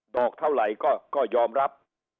อกเท่าไหร่ก็ยอมรับ